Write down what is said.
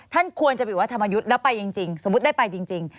ท่านควรจะไปอยู่วัดธรรมยุทธ์แล้วไปจริงสมมุติได้ไปจริง